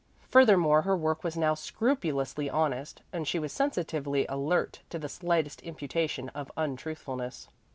Furthermore her work was now scrupulously honest, and she was sensitively alert to the slightest imputation of untruthfulness.